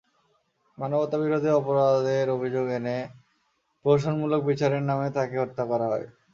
মানবতাবিরোধী অপরাধের অভিযোগ এনে প্রহসনমূলক বিচারের নামে তাঁকে হত্যা করা হয়।